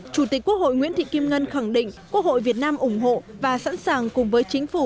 chủ tịch quốc hội nguyễn thị kim ngân khẳng định quốc hội việt nam ủng hộ và sẵn sàng cùng với chính phủ